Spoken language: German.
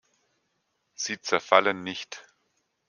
Sie zerfallen nicht.